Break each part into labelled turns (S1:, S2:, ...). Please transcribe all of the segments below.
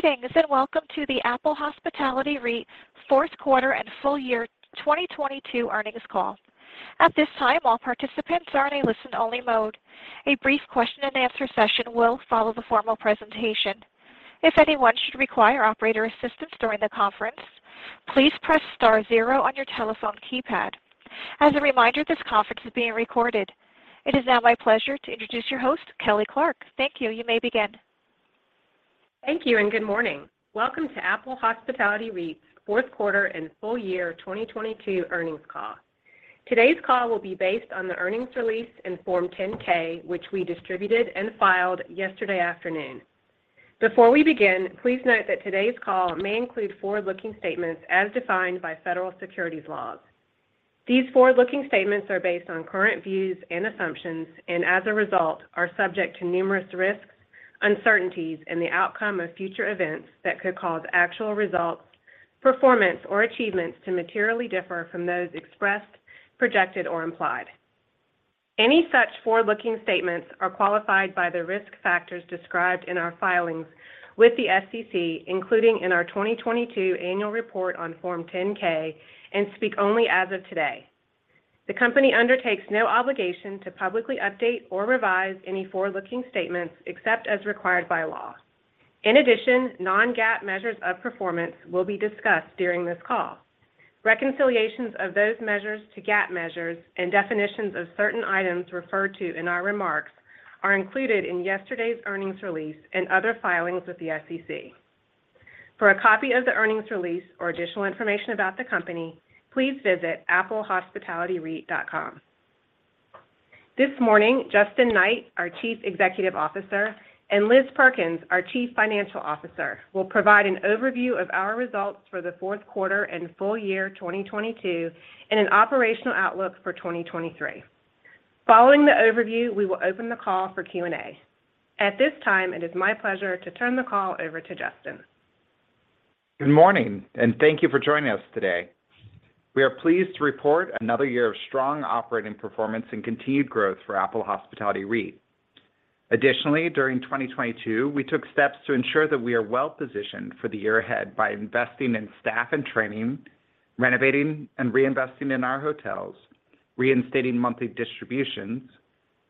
S1: Greetings, and welcome to the Apple Hospitality REIT fourth quarter and full year 2022 earnings call. At this time, all participants are in a listen-only mode. A brief question and answer session will follow the formal presentation. If anyone should require operator assistance during the conference, please press star zero on your telephone keypad. As a reminder, this conference is being recorded. It is now my pleasure to introduce your host, Kelly Clarke. Thank you. You may begin. Thank you. Good morning. Welcome to Apple Hospitality REIT's fourth quarter and full year 2022 earnings call. Today's call will be based on the earnings release in Form 10-K, which we distributed and filed yesterday afternoon. Before we begin, please note that today's call may include forward-looking statements as defined by federal securities laws. These forward-looking statements are based on current views and assumptions, and as a result, are subject to numerous risks, uncertainties, and the outcome of future events that could cause actual results, performance, or achievements to materially differ from those expressed, projected, or implied. Any such forward-looking statements are qualified by the risk factors described in our filings with the SEC, including in our 2022 annual report on Form 10-K, and speak only as of today. The company undertakes no obligation to publicly update or revise any forward-looking statements except as required by law. In addition, non-GAAP measures of performance will be discussed during this call. Reconciliations of those measures to GAAP measures and definitions of certain items referred to in our remarks are included in yesterday's earnings release and other filings with the SEC. For a copy of the earnings release or additional information about the company, please visit applehospitalityreit.com. This morning, Justin Knight, our Chief Executive Officer, and Liz Perkins, our Chief Financial Officer, will provide an overview of our results for the fourth quarter and full year 2022 and an operational outlook for 2023. Following the overview, we will open the call for Q&A. At this time, it is my pleasure to turn the call over to Justin.
S2: Good morning. Thank you for joining us today. We are pleased to report another year of strong operating performance and continued growth for Apple Hospitality REIT. Additionally, during 2022, we took steps to ensure that we are well-positioned for the year ahead by investing in staff and training, renovating and reinvesting in our hotels, reinstating monthly distributions,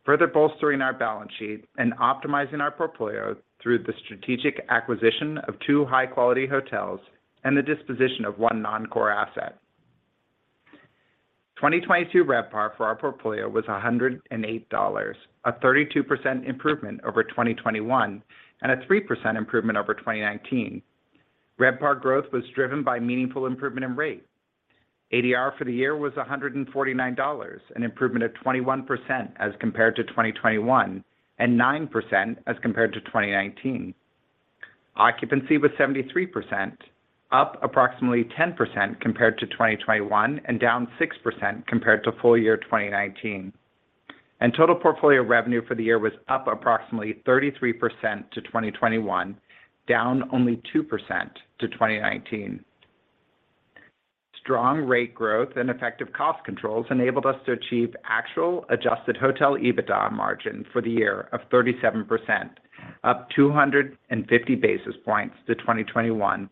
S2: further bolstering our balance sheet, and optimizing our portfolio through the strategic acquisition of two high-quality hotels and the disposition of 1 non-core asset. 2022 RevPAR for our portfolio was $108, a 32% improvement over 2021 and a 3% improvement over 2019. RevPAR growth was driven by meaningful improvement in rate. ADR for the year was $149, an improvement of 21% as compared to 2021 and 9% as compared to 2019. Occupancy was 73%, up approximately 10% compared to 2021 and down 6% compared to full year 2019. Total portfolio revenue for the year was up approximately 33% to 2021, down only 2% to 2019. Strong rate growth and effective cost controls enabled us to achieve actual adjusted hotel EBITDA margin for the year of 37%, up 250 basis points to 2021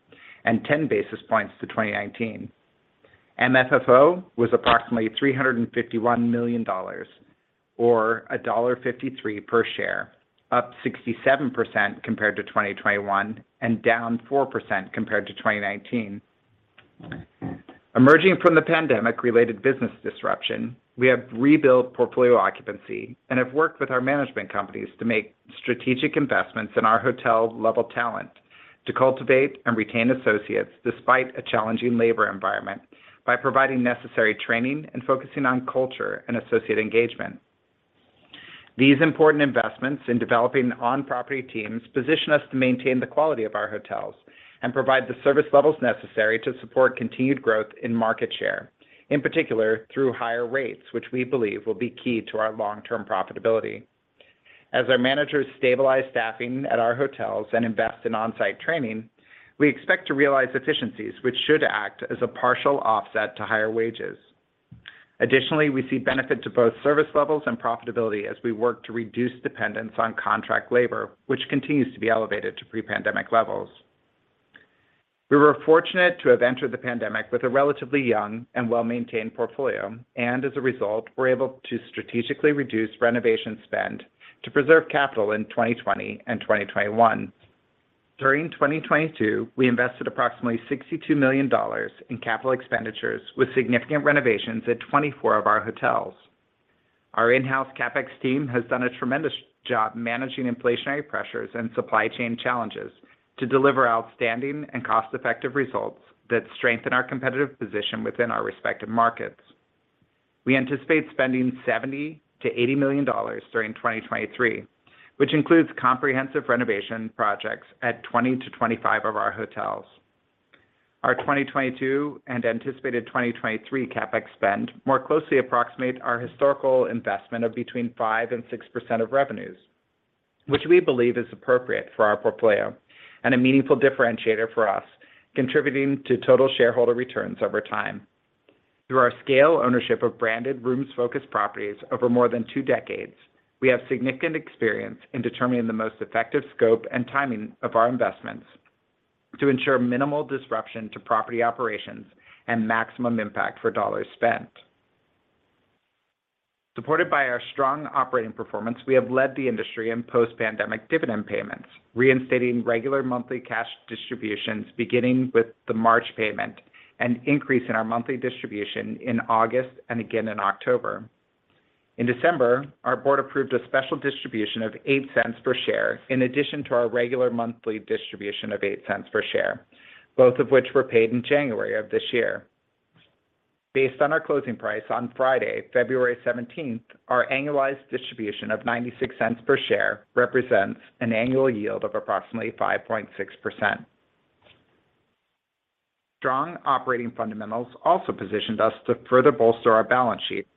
S2: and 10 basis points to 2019. MFFO was approximately $351 million or $1.53 per share, up 67% compared to 2021 and down 4% compared to 2019. Emerging from the pandemic related business disruption, we have rebuilt portfolio occupancy and have worked with our management companies to make strategic investments in our hotel level talent to cultivate and retain associates despite a challenging labor environment by providing necessary training and focusing on culture and associate engagement. These important investments in developing on-property teams position us to maintain the quality of our hotels and provide the service levels necessary to support continued growth in market share, in particular through higher rates, which we believe will be key to our long-term profitability. As our managers stabilize staffing at our hotels and invest in on-site training, we expect to realize efficiencies which should act as a partial offset to higher wages. Additionally, we see benefit to both service levels and profitability as we work to reduce dependence on contract labor, which continues to be elevated to pre-pandemic levels. We were fortunate to have entered the pandemic with a relatively young and well-maintained portfolio. As a result, were able to strategically reduce renovation spend to preserve capital in 2020 and 2021. During 2022, we invested approximately $62 million in capital expenditures with significant renovations at 24 of our hotels. Our in-house CapEx team has done a tremendous job managing inflationary pressures and supply chain challenges to deliver outstanding and cost-effective results that strengthen our competitive position within our respective markets. We anticipate spending $70 million-$80 million during 2023, which includes comprehensive renovation projects at 20-25 of our hotels. Our 2022 and anticipated 2023 CapEx spend more closely approximate our historical investment of between 5% and 6% of revenues, which we believe is appropriate for our portfolio and a meaningful differentiator for us, contributing to total shareholder returns over time. Through our scale ownership of branded rooms focused properties over more than two decades, we have significant experience in determining the most effective scope and timing of our investments to ensure minimal disruption to property operations and maximum impact for dollars spent. Supported by our strong operating performance, we have led the industry in post-pandemic dividend payments, reinstating regular monthly cash distributions beginning with the March payment, an increase in our monthly distribution in August and again in October. In December, our board approved a special distribution of $0.08 per share in addition to our regular monthly distribution of $0.08 per share, both of which were paid in January of this year. Based on our closing price on Friday, February 17th, our annualized distribution of $0.96 per share represents an annual yield of approximately 5.6%. Strong operating fundamentals also positioned us to further bolster our balance sheet.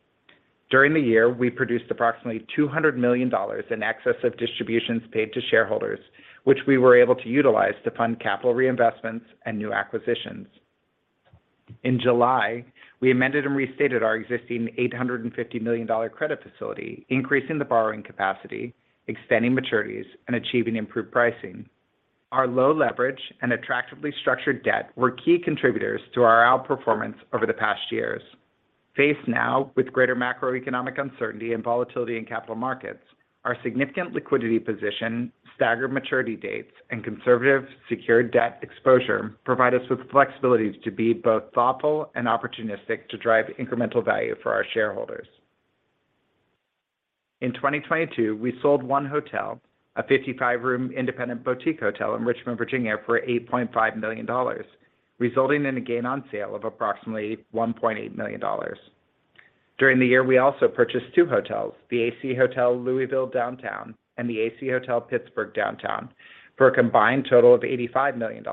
S2: During the year, we produced approximately $200 million in excess of distributions paid to shareholders, which we were able to utilize to fund capital reinvestments and new acquisitions. In July, we amended and restated our existing $850 million credit facility, increasing the borrowing capacity, extending maturities, and achieving improved pricing. Our low leverage and attractively structured debt were key contributors to our outperformance over the past years. Faced now with greater macroeconomic uncertainty and volatility in capital markets, our significant liquidity position, staggered maturity dates, and conservative secured debt exposure provide us with flexibility to be both thoughtful and opportunistic to drive incremental value for our shareholders. In 2022, we sold 1 hotel, a 55-room independent boutique hotel in Richmond, Virginia, for $8.5 million, resulting in a gain on sale of approximately $1.8 million. During the year, we also purchased two hotels, the AC Hotel Louisville Downtown and the AC Hotel Pittsburgh Downtown, for a combined total of $85 million,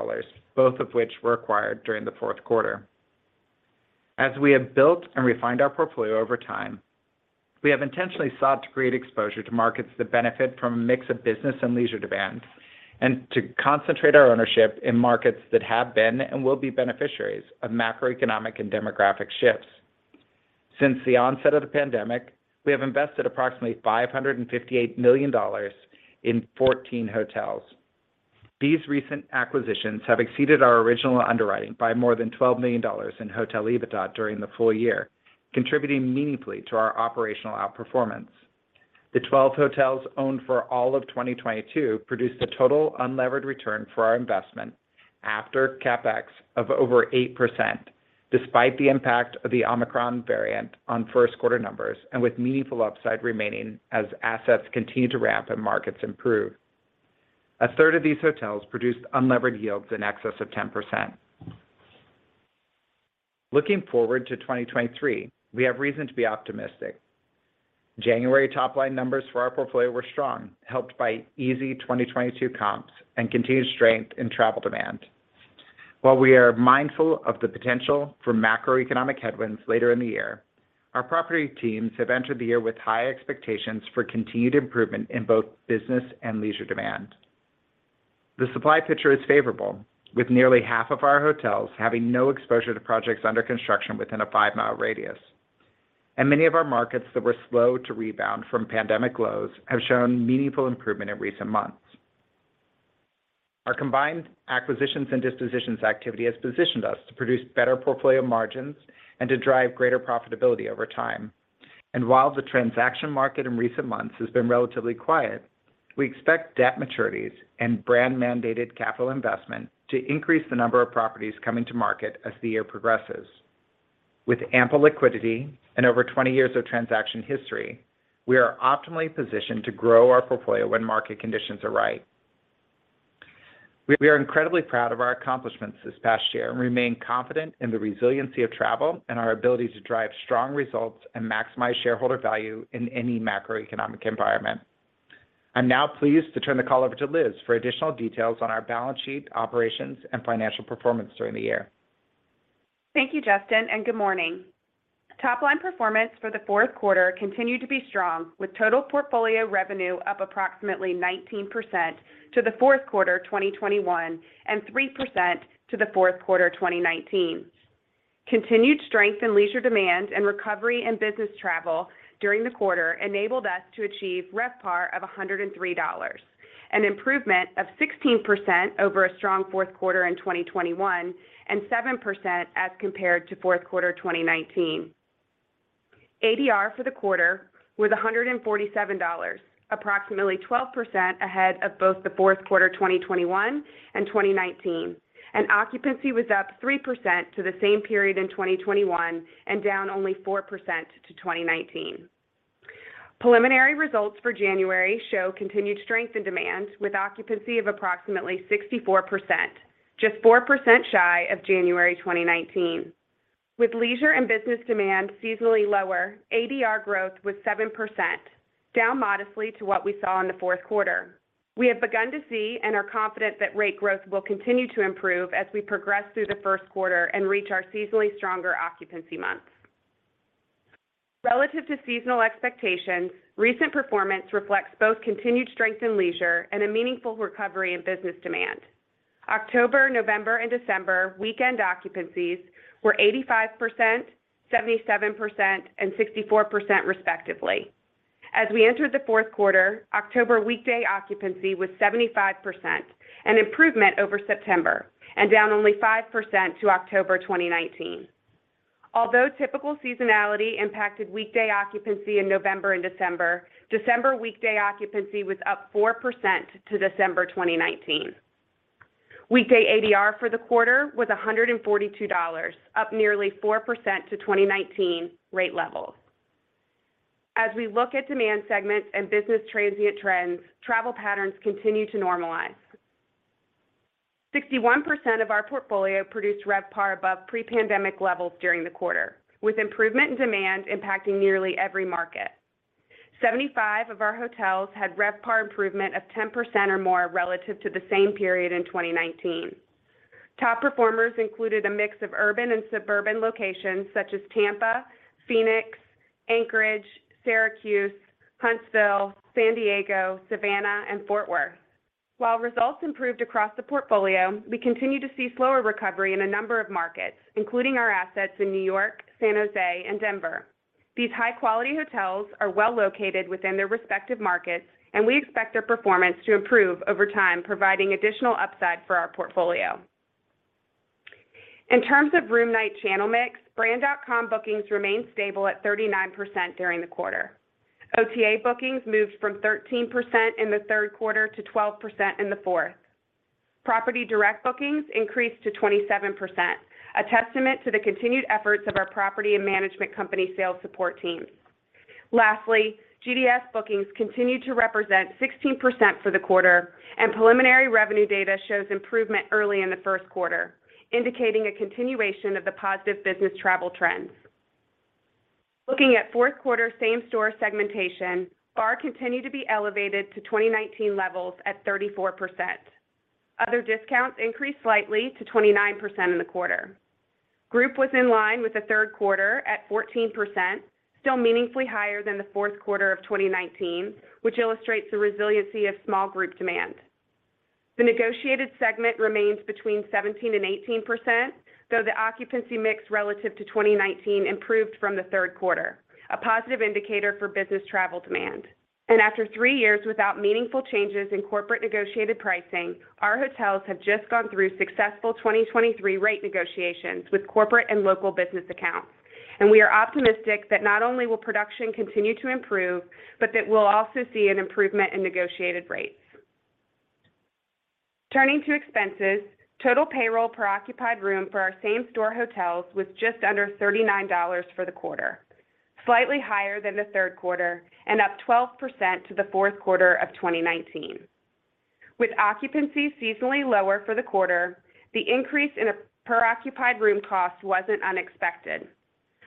S2: both of which were acquired during the fourth quarter. As we have built and refined our portfolio over time, we have intentionally sought to create exposure to markets that benefit from a mix of business and leisure demands and to concentrate our ownership in markets that have been and will be beneficiaries of macroeconomic and demographic shifts. Since the onset of the pandemic, we have invested approximately $558 million in 14 hotels. These recent acquisitions have exceeded our original underwriting by more than $12 million in hotel EBITDA during the full year, contributing meaningfully to our operational outperformance. The 12 hotels owned for all of 2022 produced a total unlevered return for our investment after CapEx of over 8% despite the impact of the Omicron variant on first quarter numbers and with meaningful upside remaining as assets continue to ramp and markets improve. A third of these hotels produced unlevered yields in excess of 10%. Looking forward to 2023, we have reason to be optimistic. January top-line numbers for our portfolio were strong, helped by easy 2022 comps and continued strength in travel demand. While we are mindful of the potential for macroeconomic headwinds later in the year, our property teams have entered the year with high expectations for continued improvement in both business and leisure demand. The supply picture is favorable, with nearly half of our hotels having no exposure to projects under construction within a 5-mile radius. Many of our markets that were slow to rebound from pandemic lows have shown meaningful improvement in recent months. Our combined acquisitions and dispositions activity has positioned us to produce better portfolio margins and to drive greater profitability over time. While the transaction market in recent months has been relatively quiet, we expect debt maturities and brand-mandated capital investment to increase the number of properties coming to market as the year progresses. With ample liquidity and over 20 years of transaction history, we are optimally positioned to grow our portfolio when market conditions are right. We are incredibly proud of our accomplishments this past year and remain confident in the resiliency of travel and our ability to drive strong results and maximize shareholder value in any macroeconomic environment. I'm now pleased to turn the call over to Liz for additional details on our balance sheet operations and financial performance during the year.
S3: Thank you, Justin, and good morning. Top-line performance for the fourth quarter continued to be strong with total portfolio revenue up approximately 19% to the fourth quarter 2021 and 3% to the fourth quarter 2019. Continued strength in leisure demand and recovery in business travel during the quarter enabled us to achieve RevPAR of $103, an improvement of 16% over a strong fourth quarter in 2021 and 7% as compared to fourth quarter 2019. ADR for the quarter was $147, approximately 12% ahead of both the fourth quarter 2021 and 2019. Occupancy was up 3% to the same period in 2021 and down only 4% to 2019. Preliminary results for January show continued strength in demand with occupancy of approximately 64%, just 4% shy of January 2019. With leisure and business demand seasonally lower, ADR growth was 7%, down modestly to what we saw in the fourth quarter. We have begun to see and are confident that rate growth will continue to improve as we progress through the first quarter and reach our seasonally stronger occupancy months. Relative to seasonal expectations, recent performance reflects both continued strength in leisure and a meaningful recovery in business demand. October, November, and December weekend occupancies were 85%, 77%, and 64% respectively. As we entered the fourth quarter, October weekday occupancy was 75%, an improvement over September, and down only 5% to October 2019. Although typical seasonality impacted weekday occupancy in November and December weekday occupancy was up 4% to December 2019. Weekday ADR for the quarter was $142, up nearly 4% to 2019 rate levels. We look at demand segments and business transient trends, travel patterns continue to normalize. 61% of our portfolio produced RevPAR above pre-pandemic levels during the quarter, with improvement in demand impacting nearly every market. 75 of our hotels had RevPAR improvement of 10% or more relative to the same period in 2019. Top performers included a mix of urban and suburban locations such as Tampa, Phoenix, Anchorage, Syracuse, Huntsville, San Diego, Savannah, and Fort Worth. While results improved across the portfolio, we continue to see slower recovery in a number of markets, including our assets in New York, San Jose, and Denver. These high-quality hotels are well-located within their respective markets, and we expect their performance to improve over time, providing additional upside for our portfolio. In terms of room night channel mix, brand.com bookings remained stable at 39% during the quarter. OTA bookings moved from 13% in the 3rd quarter to 12% in the 4th. Property direct bookings increased to 27%, a testament to the continued efforts of our property and management company sales support teams. GDS bookings continued to represent 16% for the quarter, and preliminary revenue data shows improvement early in the 1st quarter, indicating a continuation of the positive business travel trends. Looking at 4th quarter same-store segmentation, BAR continued to be elevated to 2019 levels at 34%. Other discounts increased slightly to 29% in the quarter. Group was in line with the third quarter at 14%, still meaningfully higher than the fourth quarter of 2019, which illustrates the resiliency of small group demand. The negotiated segment remains between 17%-18%, though the occupancy mix relative to 2019 improved from the third quarter, a positive indicator for business travel demand. After three years without meaningful changes in corporate negotiated pricing, our hotels have just gone through successful 2023 rate negotiations with corporate and local business accounts. We are optimistic that not only will production continue to improve, but that we'll also see an improvement in negotiated rates. Turning to expenses, total payroll per occupied room for our same-store hotels was just under $39 for the quarter, slightly higher than the third quarter and up 12% to the fourth quarter of 2019. With occupancy seasonally lower for the quarter, the increase in a per occupied room cost wasn't unexpected.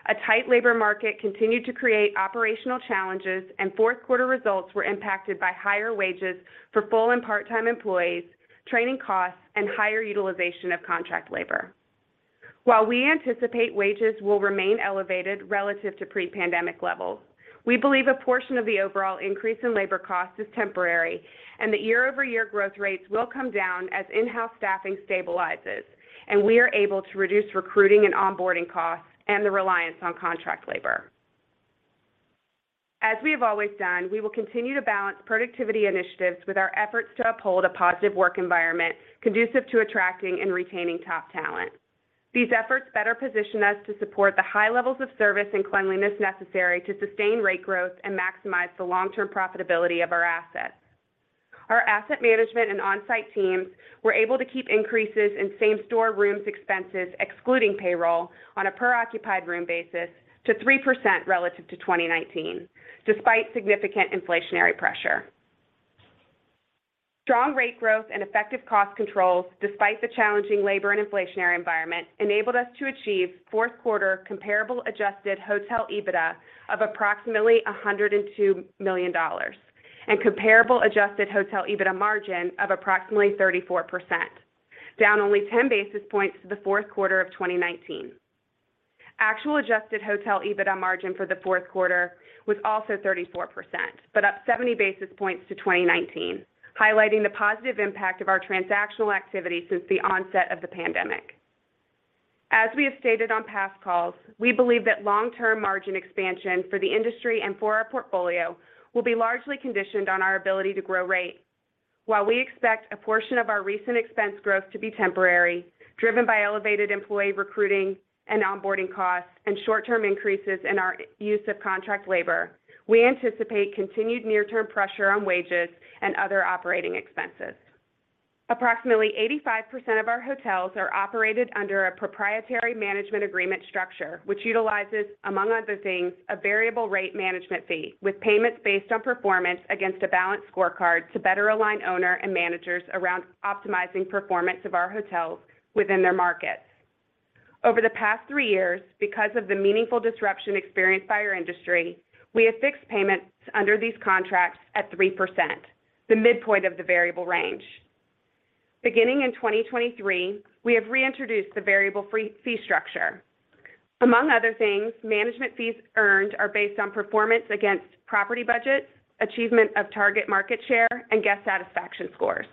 S3: A tight labor market continued to create operational challenges, and fourth quarter results were impacted by higher wages for full and part-time employees, training costs, and higher utilization of contract labor. While we anticipate wages will remain elevated relative to pre-pandemic levels, we believe a portion of the overall increase in labor cost is temporary, and the year-over-year growth rates will come down as in-house staffing stabilizes, and we are able to reduce recruiting and onboarding costs and the reliance on contract labor. As we have always done, we will continue to balance productivity initiatives with our efforts to uphold a positive work environment conducive to attracting and retaining top talent. These efforts better position us to support the high levels of service and cleanliness necessary to sustain rate growth and maximize the long-term profitability of our assets. Our asset management and on-site teams were able to keep increases in same-store rooms expenses, excluding payroll, on a per occupied room basis to 3% relative to 2019, despite significant inflationary pressure. Strong rate growth and effective cost controls despite the challenging labor and inflationary environment enabled us to achieve fourth quarter comparable adjusted hotel EBITDA of approximately $102 million and comparable adjusted hotel EBITDA margin of approximately 34%, down only 10 basis points to the fourth quarter of 2019. Actual adjusted hotel EBITDA margin for the fourth quarter was also 34%, but up 70 basis points to 2019, highlighting the positive impact of our transactional activity since the onset of the pandemic. As we have stated on past calls, we believe that long-term margin expansion for the industry and for our portfolio will be largely conditioned on our ability to grow rate. While we expect a portion of our recent expense growth to be temporary, driven by elevated employee recruiting and onboarding costs and short-term increases in our use of contract labor, we anticipate continued near-term pressure on wages and other operating expenses. Approximately 85% of our hotels are operated under a proprietary management agreement structure, which utilizes, among other things, a variable rate management fee, with payments based on performance against a balanced scorecard to better align owner and managers around optimizing performance of our hotels within their markets. Over the past three years, because of the meaningful disruption experienced by our industry, we have fixed payments under these contracts at 3%, the midpoint of the variable range. Beginning in 2023, we have reintroduced the variable fee structure. Among other things, management fees earned are based on performance against property budget, achievement of target market share, and guest satisfaction scores.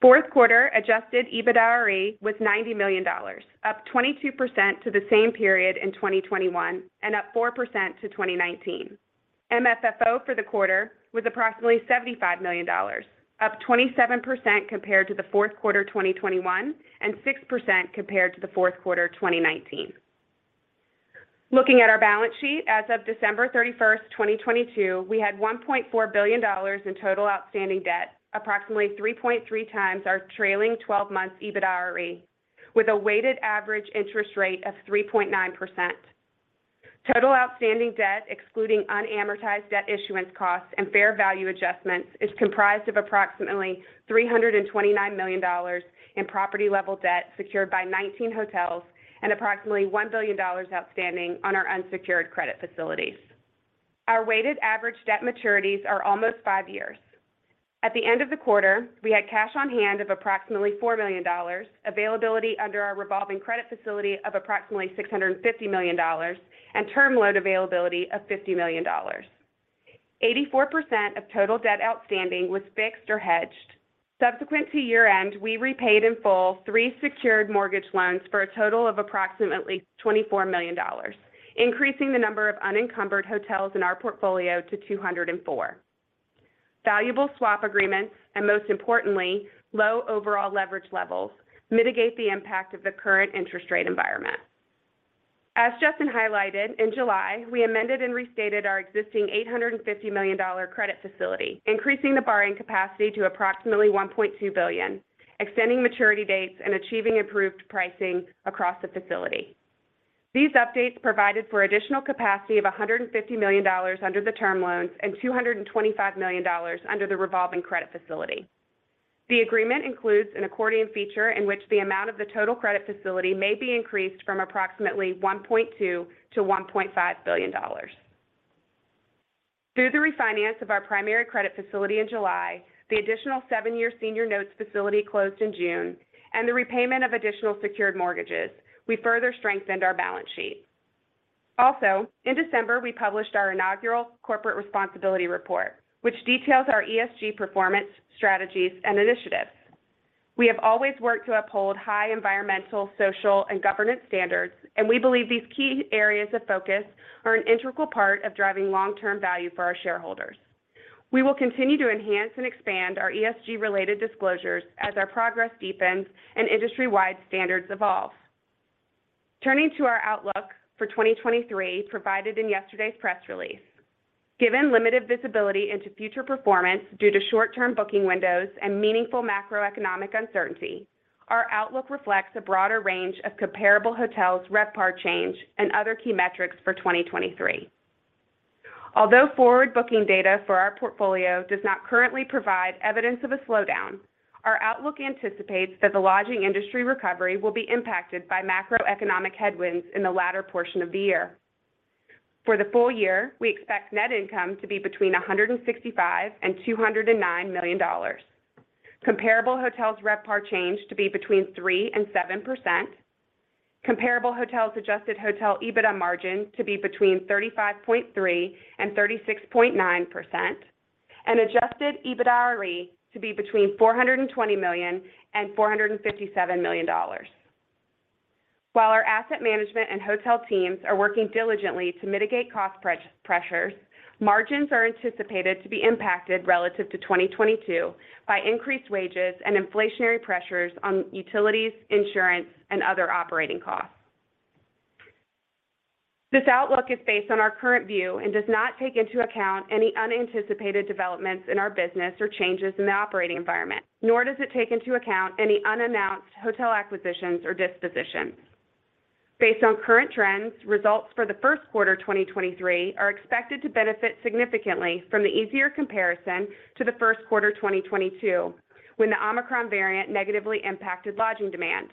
S3: Fourth quarter adjusted EBITDARE was $90 million, up 22% to the same period in 2021, and up 4% to 2019. MFFO for the quarter was approximately $75 million, up 27% compared to the fourth quarter 2021, and 6% compared to the fourth quarter 2019. Looking at our balance sheet, as of December 31st, 2022, we had $1.4 billion in total outstanding debt, approximately 3.3 times our trailing twelve months EBITDARE, with a weighted average interest rate of 3.9%. Total outstanding debt, excluding unamortized debt issuance costs and fair value adjustments, is comprised of approximately $329 million in property-level debt secured by 19 hotels and approximately $1 billion outstanding on our unsecured credit facilities. Our weighted average debt maturities are almost 5 years. At the end of the quarter, we had cash on hand of approximately $4 million, availability under our revolving credit facility of approximately $650 million, and term loan availability of $50 million. 84% of total debt outstanding was fixed or hedged. Subsequent to year-end, we repaid in full three secured mortgage loans for a total of approximately $24 million, increasing the number of unencumbered hotels in our portfolio to 204. Most importantly, low overall leverage levels mitigate the impact of the current interest rate environment. As Justin highlighted, in July, we amended and restated our existing $850 million credit facility, increasing the borrowing capacity to approximately $1.2 billion, extending maturity dates, and achieving improved pricing across the facility. These updates provided for additional capacity of $150 million under the term loans and $225 million under the revolving credit facility. The agreement includes an accordion feature in which the amount of the total credit facility may be increased from approximately $1.2 billion-$1.5 billion. Through the refinance of our primary credit facility in July, the additional seven -year senior notes facility closed in June, and the repayment of additional secured mortgages, we further strengthened our balance sheet. In December, we published our inaugural corporate responsibility report, which details our ESG performance, strategies, and initiatives. We have always worked to uphold high environmental, social, and governance standards, and we believe these key areas of focus are an integral part of driving long-term value for our shareholders. We will continue to enhance and expand our ESG-related disclosures as our progress deepens and industry-wide standards evolve. Turning to our outlook for 2023 provided in yesterday's press release. Given limited visibility into future performance due to short-term booking windows and meaningful macroeconomic uncertainty, our outlook reflects a broader range of comparable hotels' RevPAR change and other key metrics for 2023. Forward booking data for our portfolio does not currently provide evidence of a slowdown, our outlook anticipates that the lodging industry recovery will be impacted by macroeconomic headwinds in the latter portion of the year. For the full year, we expect net income to be between $165 million and $209 million, comparable hotels RevPAR change to be between 3% and 7%, comparable hotels adjusted hotel EBITDA margin to be between 35.3% and 36.9%, and adjusted EBITDARE to be between $420 million and $457 million. While our asset management and hotel teams are working diligently to mitigate cost pre-pressures, margins are anticipated to be impacted relative to 2022 by increased wages and inflationary pressures on utilities, insurance, and other operating costs. This outlook is based on our current view and does not take into account any unanticipated developments in our business or changes in the operating environment, nor does it take into account any unannounced hotel acquisitions or dispositions. Based on current trends, results for the first quarter 2023 are expected to benefit significantly from the easier comparison to the first quarter 2022, when the Omicron variant negatively impacted lodging demand.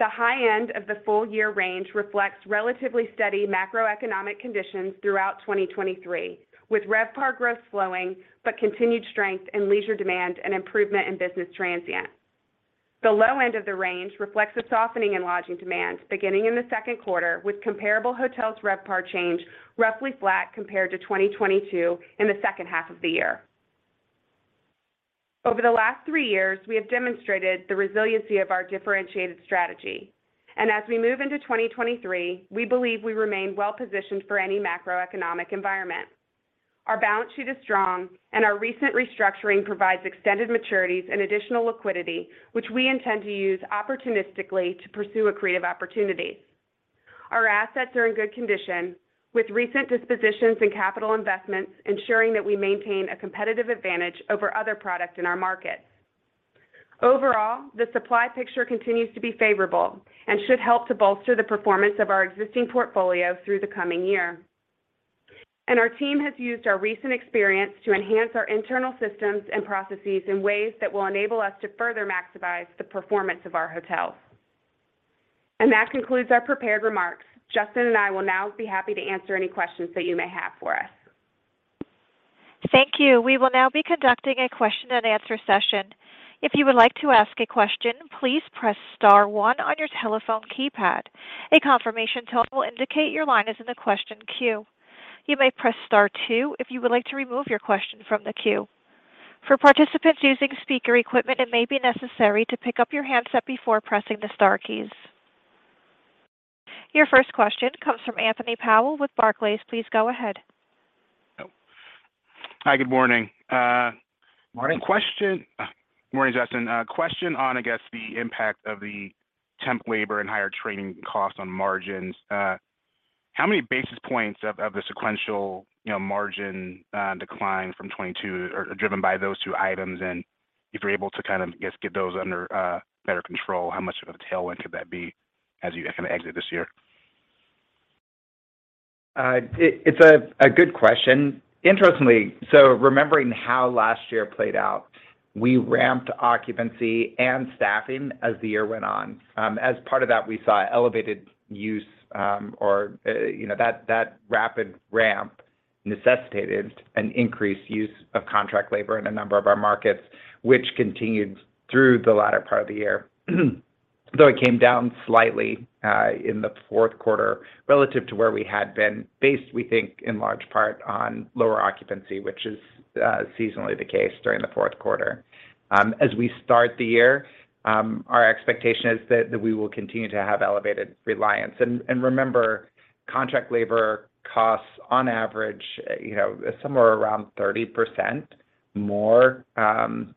S3: The high end of the full-year range reflects relatively steady macroeconomic conditions throughout 2023, with RevPAR growth slowing but continued strength in leisure demand and improvement in business transient. The low end of the range reflects a softening in lodging demand beginning in the second quarter, with comparable hotels RevPAR change roughly flat compared to 2022 in the second half of the year. Over the last three years, we have demonstrated the resiliency of our differentiated strategy. As we move into 2023, we believe we remain well positioned for any macroeconomic environment. Our balance sheet is strong, and our recent restructuring provides extended maturities and additional liquidity, which we intend to use opportunistically to pursue accretive opportunities. Our assets are in good condition, with recent dispositions and capital investments ensuring that we maintain a competitive advantage over other products in our markets. Overall, the supply picture continues to be favorable and should help to bolster the performance of our existing portfolio through the coming year. Our team has used our recent experience to enhance our internal systems and processes in ways that will enable us to further maximize the performance of our hotels. That concludes our prepared remarks. Justin and I will now be happy to answer any questions that you may have for us.
S1: Thank you. We will now be conducting a question and answer session. If you would like to ask a question, please press star one on your telephone keypad. A confirmation tone will indicate your line is in the question queue. You may press star two if you would like to remove your question from the queue. For participants using speaker equipment, it may be necessary to pick up your handset before pressing the star keys. Your first question comes from Anthony Powell with Barclays. Please go ahead.
S4: Hi. Good morning.
S2: Morning.
S4: Morning, Justin. A question on, I guess, the impact of the temp labor and higher training costs on margins. How many basis points of the sequential, you know, margin decline from 2022 are driven by those two items? If you're able to kind of guess, get those under better control, how much of a tailwind could that be as you kind of exit this year?
S2: It's a good question. Interestingly, remembering how last year played out, we ramped occupancy and staffing as the year went on. As part of that, we saw elevated use, or, you know, that rapid ramp necessitated an increased use of contract labor in a number of our markets, which continued through the latter part of the year. Though it came down slightly in the fourth quarter relative to where we had been based, we think, in large part on lower occupancy, which is seasonally the case during the fourth quarter. As we start the year, our expectation is that we will continue to have elevated reliance. Remember, contract labor costs on average, you know, somewhere around 30% more than,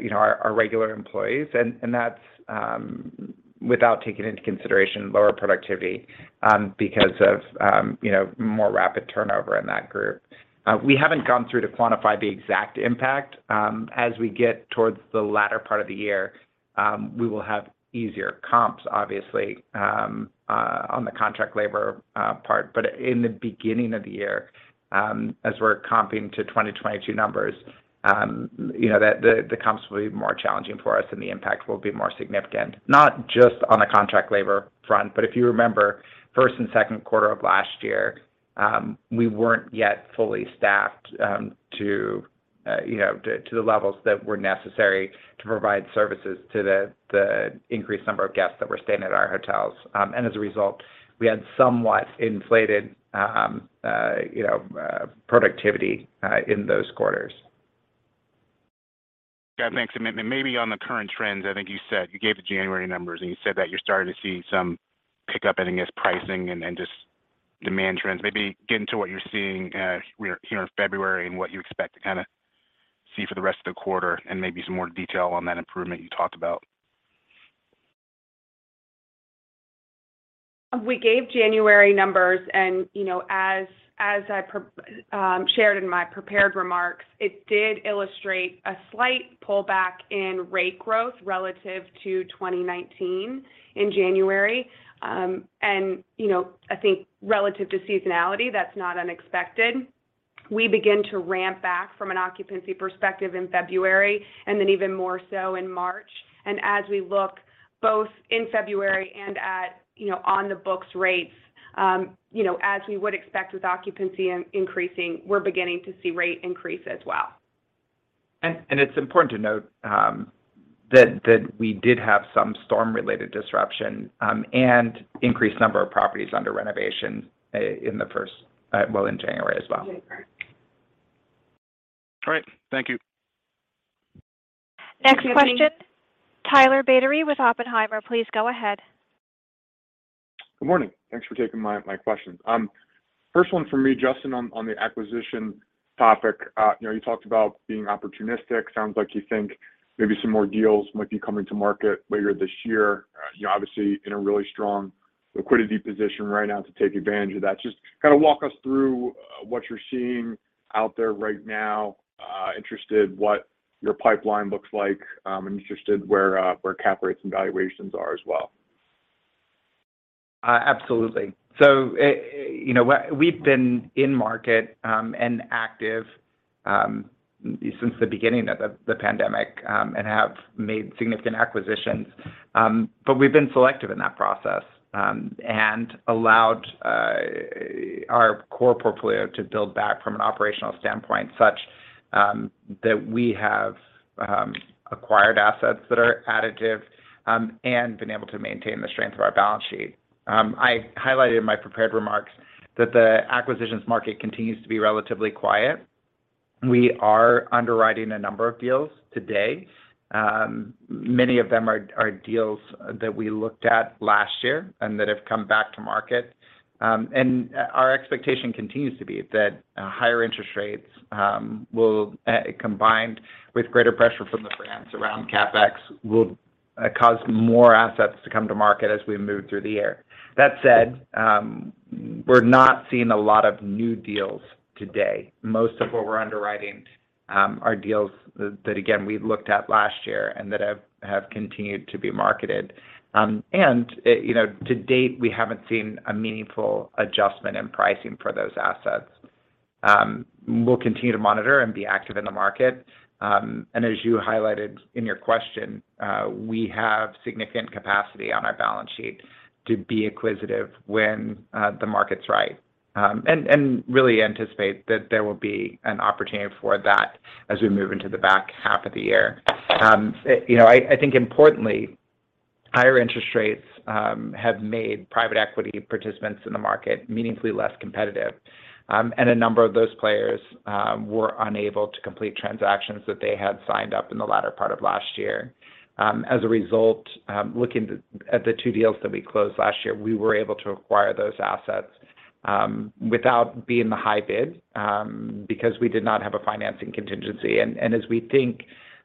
S2: you know, our regular employees. That's, without taking into consideration lower productivity, because of, you know, more rapid turnover in that group. We haven't gone through to quantify the exact impact. As we get towards the latter part of the year, we will have easier comps, obviously, on the contract labor part. In the beginning of the year, as we're comping to 2022 numbers, you know, the comps will be more challenging for us and the impact will be more significant. Not just on the contract labor front, but if you remember first and second quarter of last year, we weren't yet fully staffed, to, you know, to the levels that were necessary to provide services to the increased number of guests that were staying at our hotels. As a result, we had somewhat inflated, you know, productivity, in those quarters.
S4: Yeah, thanks. Then maybe on the current trends, I think you said you gave the January numbers, and you said that you're starting to see some pickup in, I guess, pricing and just demand trends. Maybe get into what you're seeing here in February and what you expect to kinda see for the rest of the quarter and maybe some more detail on that improvement you talked about.
S3: We gave January numbers, and, you know, as I shared in my prepared remarks, it did illustrate a slight pullback in rate growth relative to 2019 in January. You know, I think relative to seasonality, that's not unexpected. We begin to ramp back from an occupancy perspective in February and then even more so in March. As we look both in February and at, you know, on the books rates, you know, as we would expect with occupancy increasing, we're beginning to see rate increase as well.
S2: It's important to note, that we did have some storm-related disruption, and increased number of properties under renovation, in the first, well, in January as well.
S3: January.
S4: All right. Thank you.
S1: Next question, Tyler Batory with Oppenheimer. Please go ahead.
S5: Good morning. Thanks for taking my questions. First one from me, Justin, on the acquisition topic. You know, you talked about being opportunistic. Sounds like you think maybe some more deals might be coming to market later this year. You know, obviously in a really strong liquidity position right now to take advantage of that. Just kinda walk us through what you're seeing out there right now. Interested what your pipeline looks like, and interested where cap rates and valuations are as well?
S2: Absolutely. You know, we've been in market and active since the beginning of the pandemic and have made significant acquisitions. We've been selective in that process and allowed our core portfolio to build back from an operational standpoint such that we have acquired assets that are additive and been able to maintain the strength of our balance sheet. I highlighted in my prepared remarks that the acquisitions market continues to be relatively quiet. We are underwriting a number of deals today. Many of them are deals that we looked at last year and that have come back to market. Our expectation continues to be that higher interest rates will, combined with greater pressure from the brands around CapEx, cause more assets to come to market as we move through the year. That said, we're not seeing a lot of new deals today. Most of what we're underwriting are deals that, again, we looked at last year and that have continued to be marketed. You know, to date, we haven't seen a meaningful adjustment in pricing for those assets. We'll continue to monitor and be active in the market. As you highlighted in your question, we have significant capacity on our balance sheet to be acquisitive when the market's right. Really anticipate that there will be an opportunity for that as we move into the back half of the year. You know, I think importantly, higher interest rates have made private equity participants in the market meaningfully less competitive. A number of those players were unable to complete transactions that they had signed up in the latter part of last year. As a result, looking at the two deals that we closed last year, we were able to acquire those assets without being the high bid because we did not have a financing contingency. As we think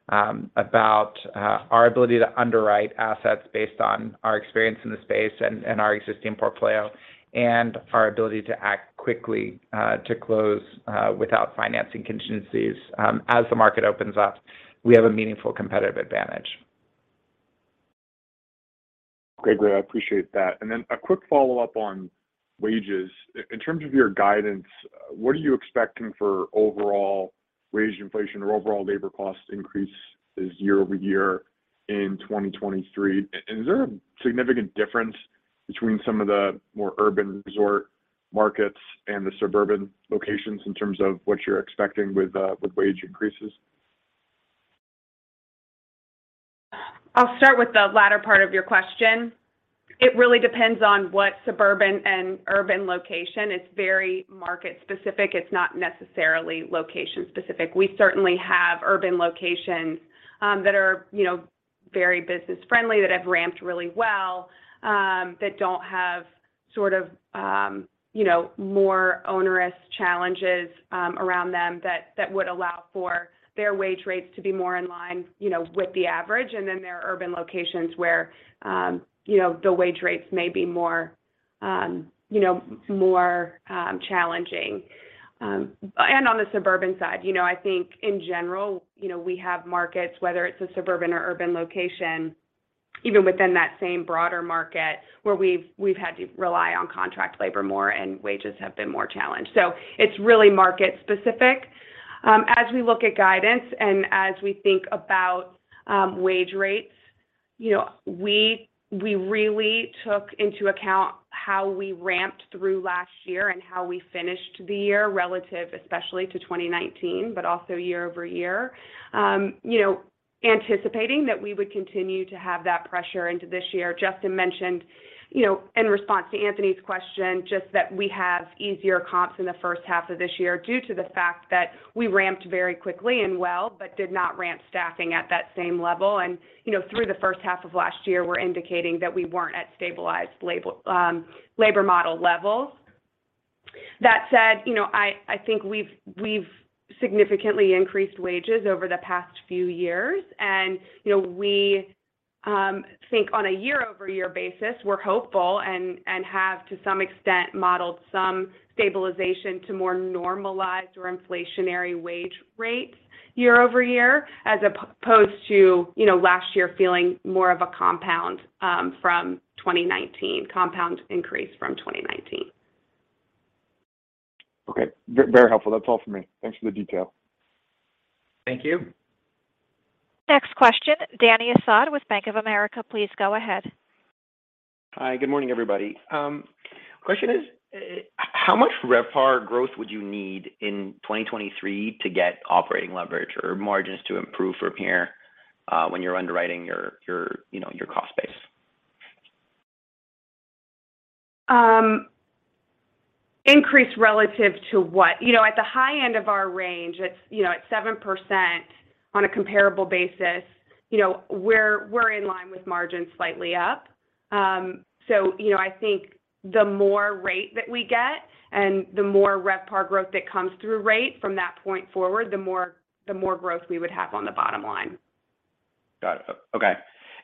S2: about our ability to underwrite assets based on our experience in the space and our existing portfolio and our ability to act quickly to close without financing contingencies, as the market opens up, we have a meaningful competitive advantage.
S5: Great. I appreciate that. Then a quick follow-up on wages. In terms of your guidance, what are you expecting for overall wage inflation or overall labor cost increases year-over-year in 2023? Is there a significant difference between some of the more urban resort markets and the suburban locations in terms of what you're expecting with wage increases?
S3: I'll start with the latter part of your question. It really depends on what suburban and urban location. It's very market specific. It's not necessarily location specific. We certainly have urban locations, that are, you know, very business friendly, that have ramped really well, that don't have sort of, you know, more onerous challenges, around them that would allow for their wage rates to be more in line, you know, with the average. There are urban locations where, you know, the wage rates may be more, you know, more, challenging. On the suburban side, you know, I think in general, you know, we have markets, whether it's a suburban or urban location, even within that same broader market, where we've had to rely on contract labor more and wages have been more challenged. It's really market specific. as we look at guidance and as we think about wage rates, you know, we really took into account how we ramped through last year and how we finished the year relative, especially to 2019, but also year-over-year. You know, anticipating that we would continue to have that pressure into this year. Justin mentioned, you know, in response to Anthony's question, just that we have easier comps in the first half of this year due to the fact that we ramped very quickly and well, but did not ramp staffing at that same level. You know, through the first half of last year, we're indicating that we weren't at stabilized labor model levels. That said, you know, I think we've significantly increased wages over the past few years. You know, we think on a year-over-year basis, we're hopeful and have to some extent modeled some stabilization to more normalized or inflationary wage rates year-over-year, as opposed to, you know, last year feeling more of a compound increase from 2019.
S5: Okay. Very helpful. That's all for me. Thanks for the detail.
S2: Thank you.
S1: Next question, Dany Asad with Bank of America, please go ahead.
S6: Hi. Good morning, everybody. Question is, how much RevPAR growth would you need in 2023 to get operating leverage or margins to improve from here, when you're underwriting your, you know, your cost base?
S3: Increase relative to what? You know, at the high end of our range, it's, you know, at 7% on a comparable basis. You know, we're in line with margins slightly up. You know, I think the more rate that we get and the more RevPAR growth that comes through rate from that point forward, the more growth we would have on the bottom line.
S6: Got it. Okay.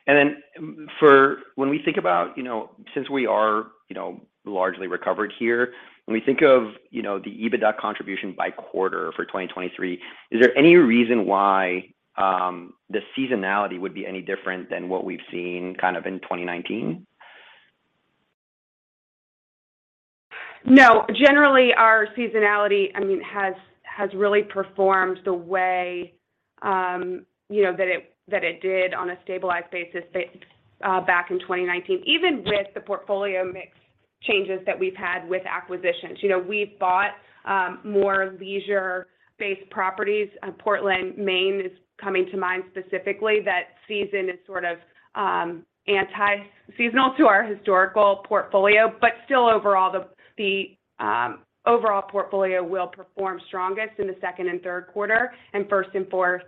S6: Then for when we think about, you know, since we are, you know, largely recovered here, when we think of, you know, the EBITDA contribution by quarter for 2023, is there any reason why the seasonality would be any different than what we've seen kind of in 2019?
S3: No. Generally, our seasonality, I mean, has really performed the way, you know, that it did on a stabilized basis back in 2019, even with the portfolio mix changes that we've had with acquisitions. You know, we've bought, more leisure-based properties. Portland, Maine is coming to mind specifically. That season is sort of, anti-seasonal to our historical portfolio. Still, overall, the overall portfolio will perform strongest in the second and third quarter, and first and fourth,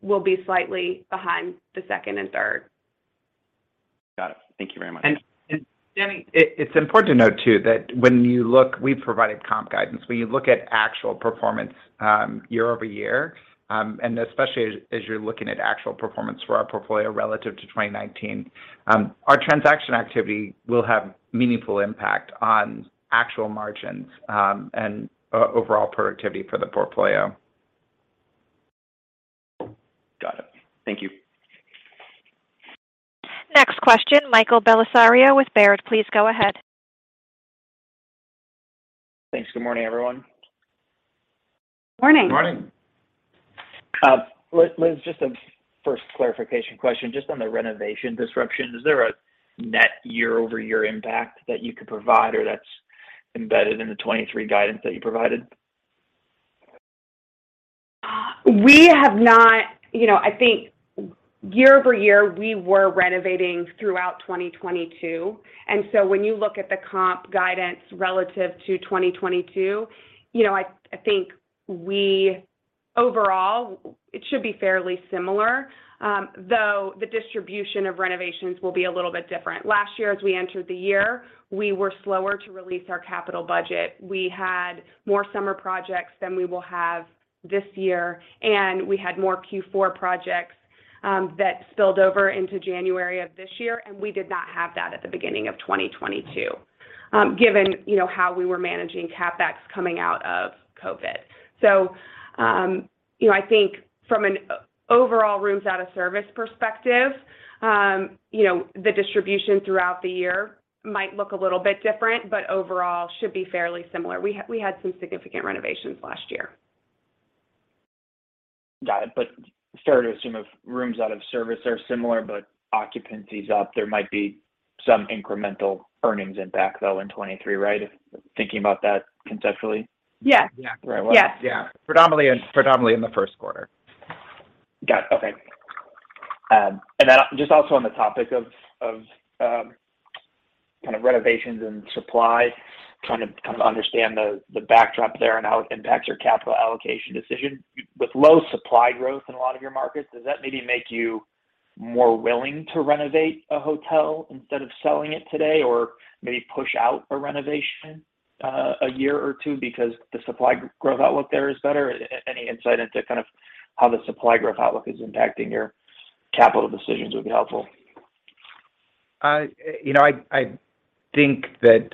S3: will be slightly behind the second and third.
S6: Got it. Thank Thank you very much.
S2: Danny, it's important to note too that we've provided comp guidance. When you look at actual performance, year over year, and especially as you're looking at actual performance for our portfolio relative to 2019, our transaction activity will have meaningful impact on actual margins and overall productivity for the portfolio.
S6: Thank you.
S1: Next question, Michael Bellisario with Baird. Please go ahead.
S7: Thanks. Good morning, everyone.
S3: Morning.
S2: Morning.
S7: Liz, just a first clarification question just on the renovation disruption. Is there a net year-over-year impact that you could provide or that's embedded in the 23 guidance that you provided?
S3: We have not... You know, I think year-over-year, we were renovating throughout 2022, and so when you look at the comp guidance relative to 2022, you know, I think overall it should be fairly similar. Though, the distribution of renovations will be a little bit different. Last year, as we entered the year, we were slower to release our capital budget. We had more summer projects than we will have this year, and we had more Q4 projects that spilled over into January of this year, and we did not have that at the beginning of 2022, given, you know, how we were managing CapEx coming out of COVID. You know, I think from an overall rooms out of service perspective, you know, the distribution throughout the year might look a little bit different, but overall should be fairly similar. We had some significant renovations last year.
S7: Got it. Fair to assume if rooms out of service are similar, but occupancy is up, there might be some incremental earnings impact, though, in 23, right? Thinking about that conceptually.
S3: Yeah.
S2: Yeah.
S3: Yes.
S2: Yeah. Predominantly in the first quarter.
S7: Got it. Okay. Just also on the topic of kind of renovations and supply, trying to come to understand the backdrop there and how it impacts your capital allocation decision. With low supply growth in a lot of your markets, does that maybe make you more willing to renovate a hotel instead of selling it today, or maybe push out a renovation, a year or two because the supply growth outlook there is better? Any insight into kind of how the supply growth outlook is impacting your capital decisions would be helpful.
S2: you know, I think that,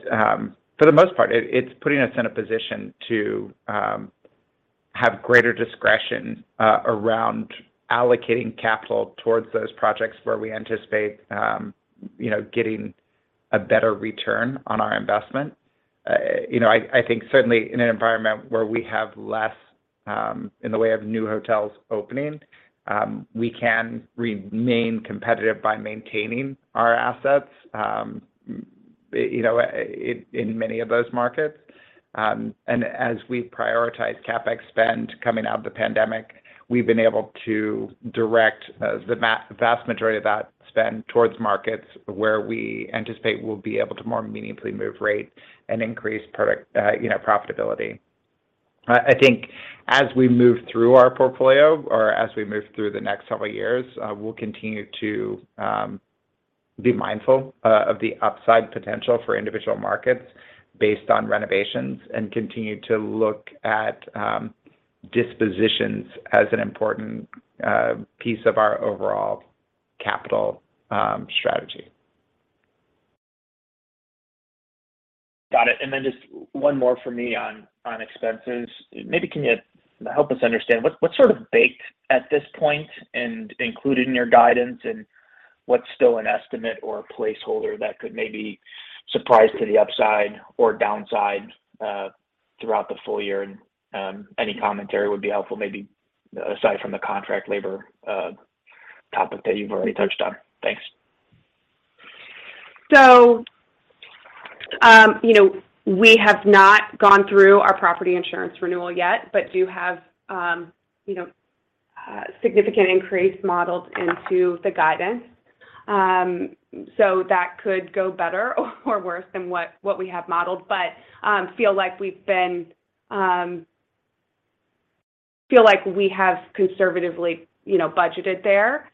S2: for the most part, it's putting us in a position to have greater discretion around allocating capital towards those projects where we anticipate, you know, getting a better return on our investment. you know, I think certainly in an environment where we have less in the way of new hotels opening, we can remain competitive by maintaining our assets, you know, in many of those markets. As we prioritize CapEx spend coming out of the pandemic, we've been able to direct the vast majority of that spend towards markets where we anticipate we'll be able to more meaningfully move rate and increase product, you know, profitability. I think as we move through our portfolio or as we move through the next several years, we'll continue to be mindful of the upside potential for individual markets based on renovations and continue to look at dispositions as an important piece of our overall capital strategy.
S7: Got it. Just one more for me on expenses. Maybe can you help us understand what's sort of baked at this point and included in your guidance, and what's still an estimate or a placeholder that could maybe surprise to the upside or downside throughout the full year and any commentary would be helpful, maybe aside from the contract labor topic that you've already touched on? Thanks.
S3: You know, we have not gone through our property insurance renewal yet, but do have, you know, significant increase modeled into the guidance. That could go better or worse than what we have modeled, but feel like we have conservatively, you know, budgeted there.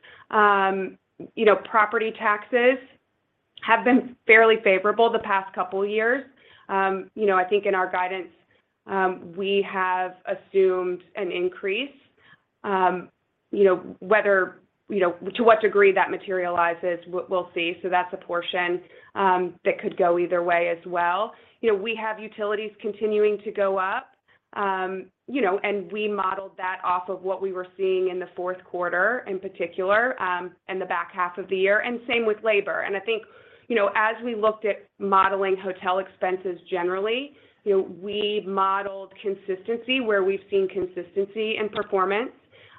S3: You know, property taxes have been fairly favorable the past couple years. You know, I think in our guidance, we have assumed an increase, you know, whether, you know, to what degree that materializes, we'll see. That's a portion that could go either way as well. You know, we have utilities continuing to go up, you know, and we modeled that off of what we were seeing in the fourth quarter, in particular, and the back half of the year, and same with labor. I think, you know, as we looked at modeling hotel expenses, generally, you know, we modeled consistency where we've seen consistency in performance.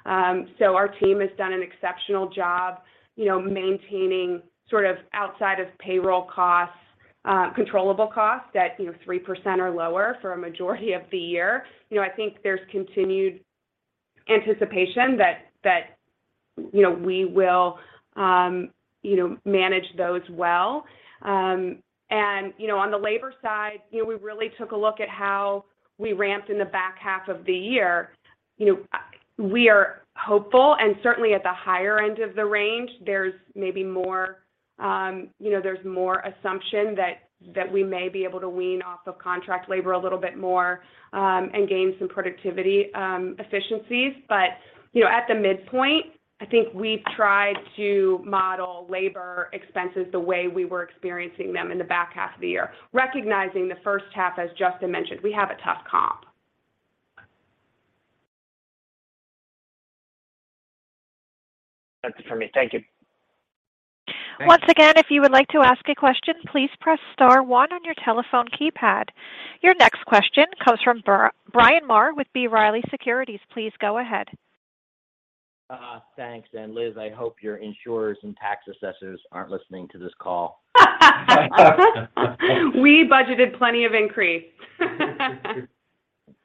S3: Our team has done an exceptional job, you know, maintaining sort of outside of payroll costs, controllable costs at, you know, 3% or lower for a majority of the year. You know, I think there's continued anticipation that, you know, we will, manage those well. You know, on the labor side, you know, we really took a look at how we ramped in the back half of the year. You know, we are hopeful, and certainly at the higher end of the range, there's maybe more, you know, there's more assumption that we may be able to wean off of contract labor a little bit more, and gain some productivity efficiencies. you know, at the midpoint, I think we've tried to model labor expenses the way we were experiencing them in the back half of the year, recognizing the first half, as Justin mentioned, we have a tough comp.
S7: That's it for me. Thank you.
S1: Once again, if you would like to ask a question, please press star one on your telephone keypad. Your next question comes from Bryan Maher with B. Riley Securities. Please go ahead.
S8: Thanks. Liz, I hope your insurers and tax assessors aren't listening to this call.
S3: We budgeted plenty of increase.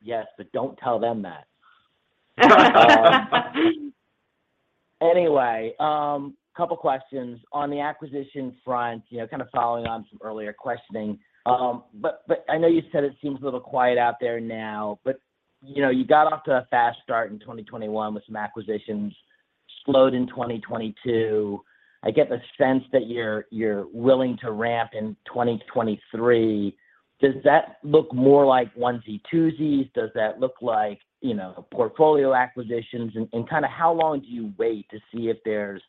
S8: Yes, but don't tell them that. Anyway, couple questions. On the acquisition front, you know, kind of following on some earlier questioning, but I know you said it seems a little quiet out there now, but, you know, you got off to a fast start in 2021 with some acquisitions, slowed in 2022. I get the sense that you're willing to ramp in 2023. Does that look more like onesie-twosies? Does that look like, you know, portfolio acquisitions? Kind of how long do you wait to see if there's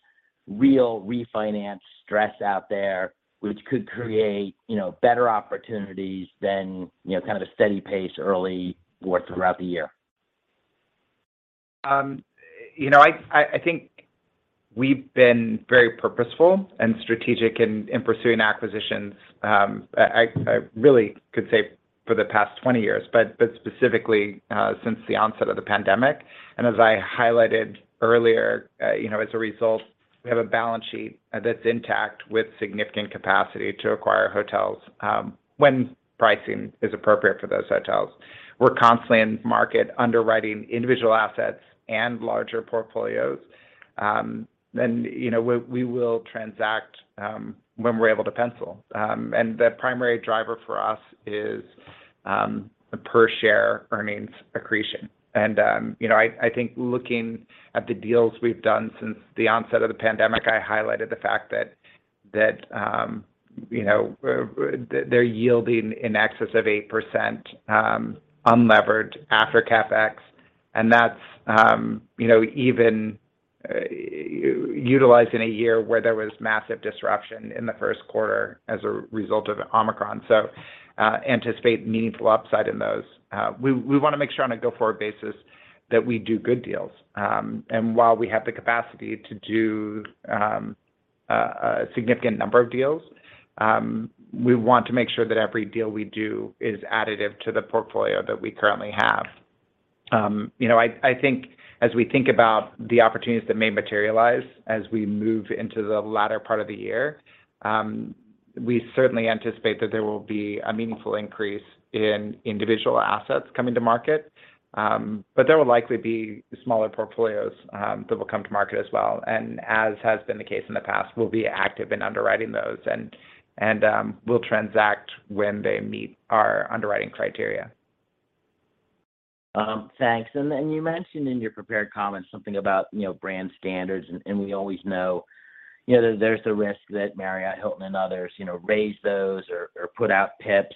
S8: real refinance stress out there which could create, you know, better opportunities than, you know, kind of a steady pace early or throughout the year?
S2: You know, I think we've been very purposeful and strategic in pursuing acquisitions, I really could say for the past 20 years, but specifically, since the onset of the pandemic. As I highlighted earlier, you know, as a result, we have a balance sheet that's intact with significant capacity to acquire hotels, when pricing is appropriate for those hotels. We're constantly in market underwriting individual assets and larger portfolios, and, you know, we will transact, when we're able to pencil. The primary driver for us is the per share earnings accretion. You know, I think looking at the deals we've done since the onset of the pandemic, I highlighted the fact that, you know, they're yielding in excess of 8%, unlevered after CapEx. That's, you know, even utilized in a year where there was massive disruption in the first quarter as a result of Omicron. Anticipate meaningful upside in those. We wanna make sure on a go-forward basis that we do good deals. While we have the capacity to do a significant number of deals, we want to make sure that every deal we do is additive to the portfolio that we currently have. You know, I think as we think about the opportunities that may materialize as we move into the latter part of the year, we certainly anticipate that there will be a meaningful increase in individual assets coming to market, but there will likely be smaller portfolios that will come to market as well. As has been the case in the past, we'll be active in underwriting those and, we'll transact when they meet our underwriting criteria.
S8: Thanks. You mentioned in your prepared comments something about, you know, brand standards, and we always know, you know, that there's a risk that Marriott, Hilton, and others, you know, raise those or put out PIPs.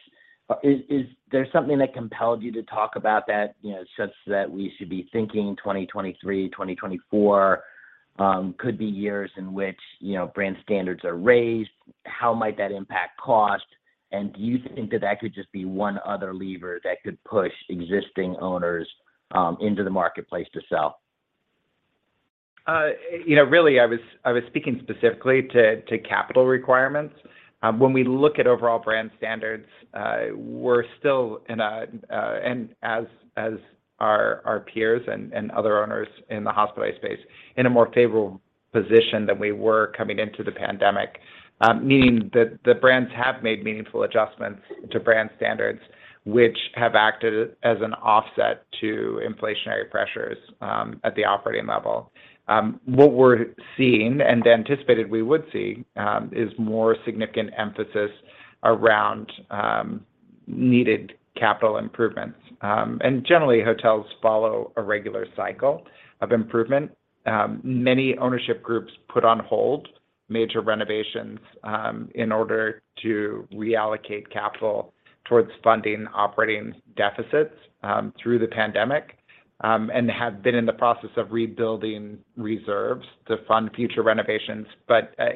S8: Is there something that compelled you to talk about that, you know, such that we should be thinking 2023, 2024 could be years in which, you know, brand standards are raised? How might that impact cost? Do you think that that could just be one other lever that could push existing owners into the marketplace to sell?
S2: You know, really, I was speaking specifically to capital requirements. When we look at overall brand standards, we're still and as our peers and other owners in the hospitality space, in a more favorable position than we were coming into the pandemic, meaning that the brands have made meaningful adjustments to brand standards, which have acted as an offset to inflationary pressures at the operating level. What we're seeing, and anticipated we would see, is more significant emphasis around needed capital improvements. Generally, hotels follow a regular cycle of improvement. Many ownership groups put on hold major renovations, in order to reallocate capital towards funding operating deficits through the pandemic, and have been in the process of rebuilding reserves to fund future renovations.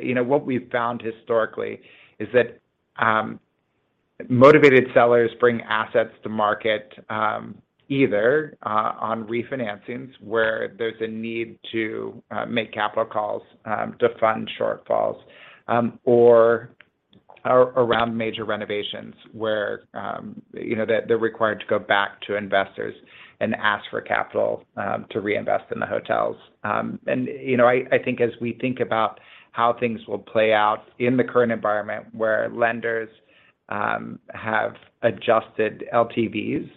S2: you know, what we've found historically is that motivated sellers bring assets to market, either on refinancings where there's a need to make capital calls to fund shortfalls, or around major renovations where, you know, they're required to go back to investors and ask for capital to reinvest in the hotels. you know, I think as we think about how things will play out in the current environment where lenders have adjusted LTVs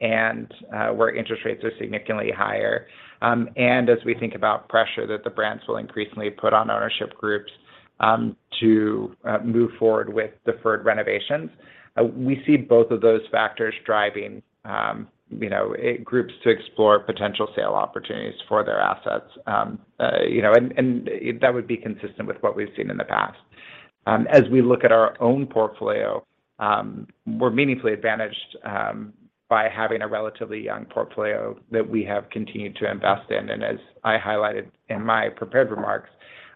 S2: and where interest rates are significantly higher, and as we think about pressure that the brands will increasingly put on ownership groups to move forward with deferred renovations, we see both of those factors driving, you know, groups to explore potential sale opportunities for their assets. you know, and that would be consistent with what we've seen in the past. As we look at our own portfolio, we're meaningfully advantaged by having a relatively young portfolio that we have continued to invest in. As I highlighted in my prepared remarks,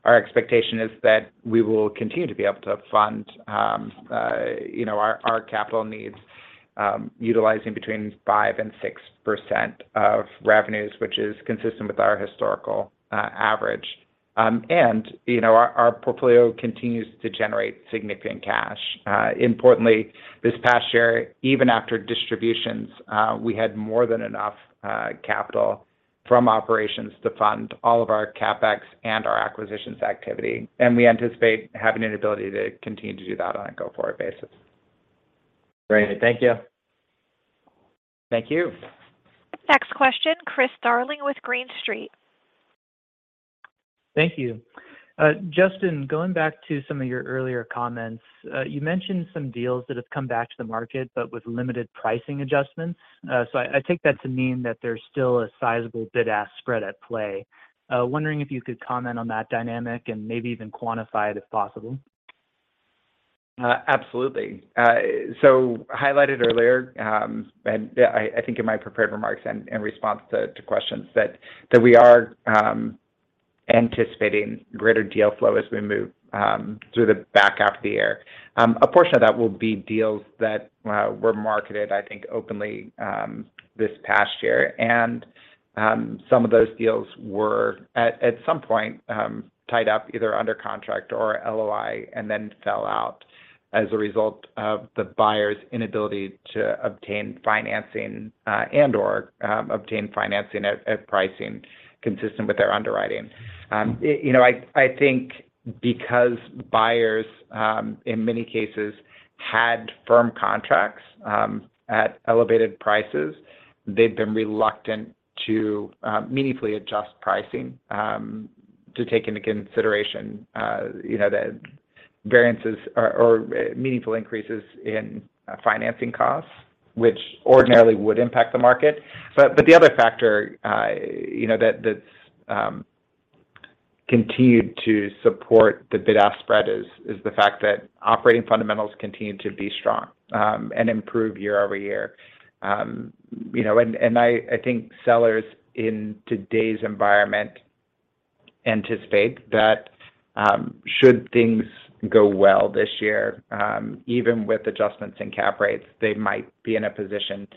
S2: our expectation is that we will continue to be able to fund, you know, our capital needs, utilizing between 5% and 6% of revenues, which is consistent with our historical average. you know, our portfolio continues to generate significant cash. Importantly, this past year, even after distributions, we had more than enough capital from operations to fund all of our CapEx and our acquisitions activity, and we anticipate having an ability to continue to do that on a go-forward basis.
S8: Great. Thank you.
S2: Thank you.
S1: Next question, Chris Darling with Green Street.
S9: Thank you. Justin, going back to some of your earlier comments, you mentioned some deals that have come back to the market but with limited pricing adjustments. I take that to mean that there's still a sizable bid-ask spread at play. Wondering if you could comment on that dynamic and maybe even quantify it if possible?
S2: Absolutely. Highlighted earlier, and I think in my prepared remarks and in response to questions that we are anticipating greater deal flow as we move through the back half of the year. A portion of that will be deals that were marketed, I think, openly, this past year. Some of those deals were at some point tied up either under contract or LOI and then fell out as a result of the buyer's inability to obtain financing, and/or obtain financing at pricing consistent with their underwriting. It... You know, I think because buyers, in many cases had firm contracts, at elevated prices, they've been reluctant to meaningfully adjust pricing to take into consideration, you know, the variances or meaningful increases in financing costs, which ordinarily would impact the market. The other factor, you know, that's continued to support the bid-ask spread is the fact that operating fundamentals continue to be strong and improve year-over-year. You know, and I think sellers in today's environment anticipate that should things go well this year, even with adjustments in cap rates, they might be in a position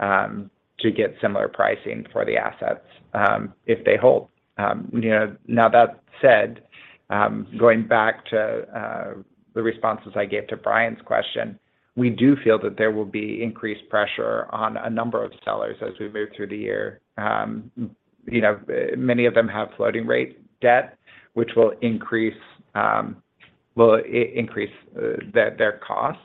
S2: to get similar pricing for the assets if they hold. You know, now that said, going back to the responses I gave to Bryan's question, we do feel that there will be increased pressure on a number of sellers as we move through the year. You know, many of them have floating rate debt, which will increase their costs.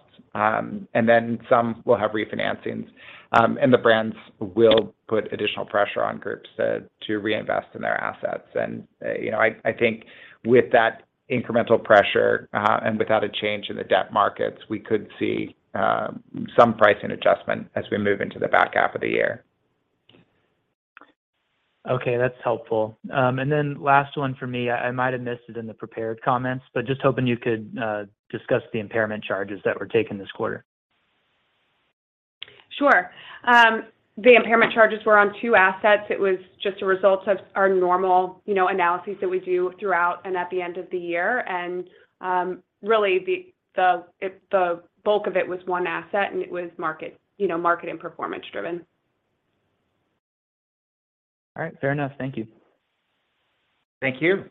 S2: Some will have refinancings. The brands will put additional pressure on groups to reinvest in their assets. You know, I think with that incremental pressure, and without a change in the debt markets, we could see some pricing adjustment as we move into the back half of the year.
S9: Okay, that's helpful. Last one for me. I might have missed it in the prepared comments, but just hoping you could discuss the impairment charges that were taken this quarter.
S3: Sure. The impairment charges were on two assets. It was just a result of our normal, you know, analysis that we do throughout and at the end of the year. Really the bulk of it was one asset, and it was market, you know, market and performance driven.
S9: All right. Fair enough. Thank you.
S2: Thank you.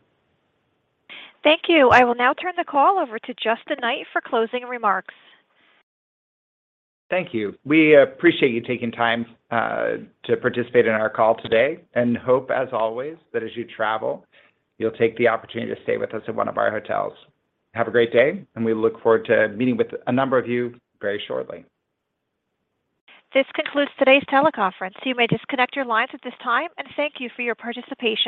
S1: Thank you. I will now turn the call over to Justin Knight for closing remarks.
S2: Thank you. We appreciate you taking time to participate in our call today and hope as always that as you travel, you'll take the opportunity to stay with us in one of our hotels. Have a great day. We look forward to meeting with a number of you very shortly.
S1: This concludes today's teleconference. You may disconnect your lines at this time, and thank you for your participation.